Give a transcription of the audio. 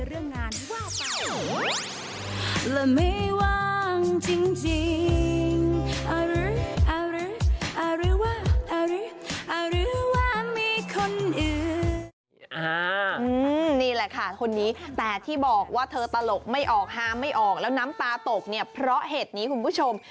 นี่แหละค่ะคนนี้แต่ที่บอกว่าเธอตลกไม่ออกฮาไม่ออกแล้วน้ำตาตกเนี่ยเพราะเหตุนี้คุณผู้ชม